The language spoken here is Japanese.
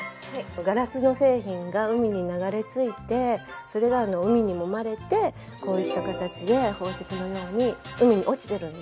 ガラスの製品が海に流れ着いてそれが海にもまれてこういった形で宝石のように海に落ちてるんです。